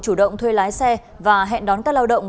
chủ động thuê lái xe và hẹn đón các lao động